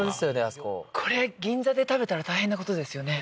あそここれ銀座で食べたら大変なことですよね